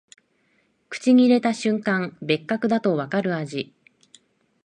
口に入れた瞬間、別格だとわかる味